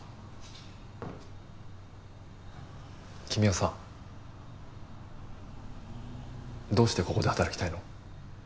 君はさどうしてここで働きたいの？